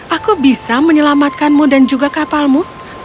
aku bisa menyelamatkanmu dan juga kapalmu